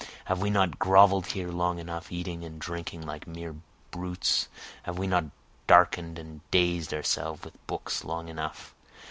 Have we not grovel'd here long enough, eating and drinking like mere brutes? Have we not darken'd and dazed ourselves with books long enough?